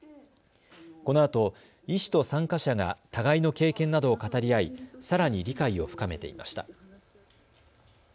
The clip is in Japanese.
このあと医師と参加者が互いの経験などを語り合いさらに理解を深めていました。